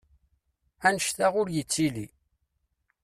Annect-a ur yettili!